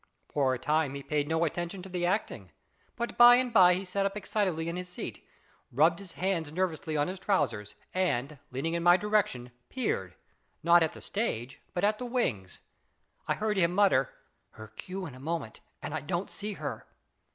For a time he paid no attention to the acting, but by and by he sat up excitedly in his seat, rubbed his hands nervously on his trousers, and leaning in my direction, peered, not at the stage, but at the wings. I heard him mutter, " Her cue in a moment, and I don't see her